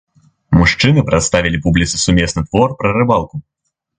Мужчыны прадставілі публіцы сумесны твор пра рыбалку.